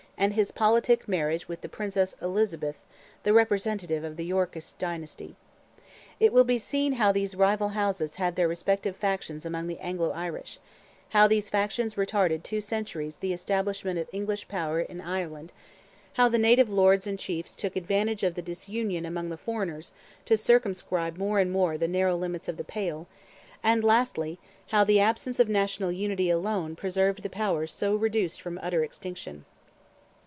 and his politic marriage with the Princess Elizabeth—the representative of the Yorkist dynasty. It will be seen how these rival houses had their respective factions among the Anglo Irish; how these factions retarded two centuries the establishment of English power in Ireland; how the native lords and chiefs took advantage of the disunion among the foreigners to circumscribe more and more the narrow limits of the Pale; and lastly, how the absence of national unity alone preserved the power so reduced from utter extinction.